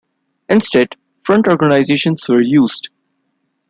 Instead, front organisations were used.